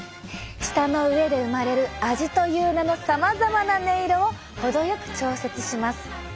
舌の上で生まれる味という名のさまざまな音色をほどよく調節します。